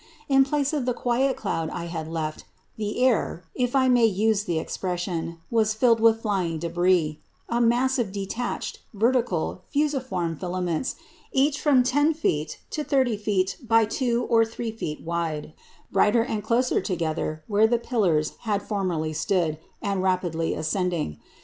In place of the quiet cloud I had left, the air, if I may use the expression, was filled with flying débris a mass of detached, vertical, fusiform filaments, each from 10" to 30" long by 2" or 3" wide, brighter and closer together where the pillars had formerly stood, and rapidly ascending.